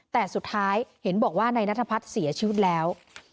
แต่สุดท้ายเห็นบอกว่านายนัทพัฒน์เสียชีวิตแล้ว